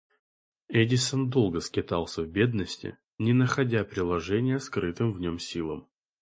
Эдисон долго скитался в бедности, не находя приложения скрытым в нем силам.